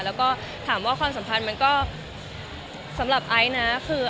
แล้วก็ถามว่าความสัมพันธ์มันก็สำหรับไอซ์นะคือ